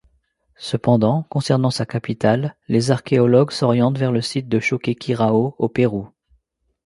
Cependant, concernant sa capitale, les archéologues s'orientent vers le site de Choquequirao au Pérou.